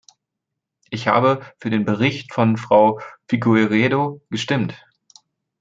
Ich habe für den Bericht von Frau Figueiredo gestimmt.